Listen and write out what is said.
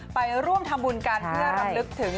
ไปร่วมทำบุญกันเพื่อรำลึกถึง